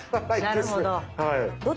なるほど。